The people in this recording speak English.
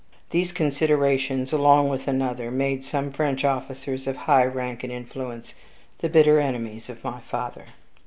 These considerations, along with another, made some French officers of high rank and influence the bitter enemies of my father.